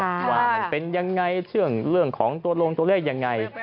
ว่ามันเป็นยังไงเรื่องของตัวลงตัวเลขยังไง